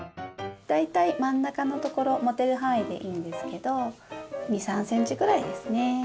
大体真ん中のところ持てる範囲でいいんですけど２３ｃｍぐらいですね